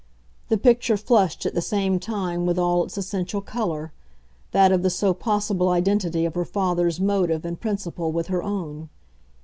The picture flushed at the same time with all its essential colour that of the so possible identity of her father's motive and principle with her own.